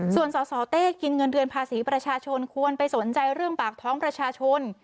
ส่วนสสเต้กินเงินเดือนภาษีประชาชนควรไปสนใจเรื่องปากท้องประชาชน